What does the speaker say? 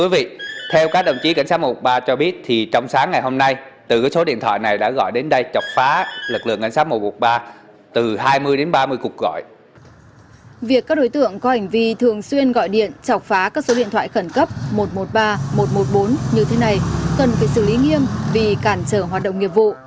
việc các đối tượng có hành vi thường xuyên gọi điện chạc phá các số điện thoại khẩn cấp một trăm một mươi ba một trăm một mươi bốn như thế này cần phải xử lý nghiêm vì cản trở hoạt động nghiệp vụ